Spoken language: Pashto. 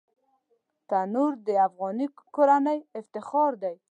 تنور د افغاني کورنۍ افتخار دی